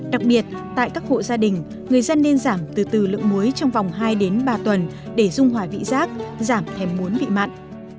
đặc biệt tại các hộ gia đình người dân nên giảm từ từ lượng muối trong vòng hai đến ba tuần để dung hòa vị giác giảm thèm muốn vị mặn